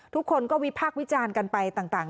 ทุกคนก็วิพากษ์วิจารณ์กันไปต่าง